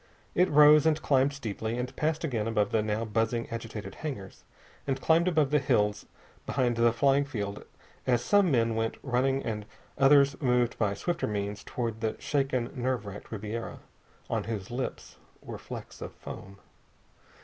It rose, and climbed steeply, and passed again above the now buzzing, agitated hangars, and climbed above the hills behind the flying field as some men went running and others moved by swifter means toward the shaken, nerve racked Ribiera, on whose lips were flecks of foam.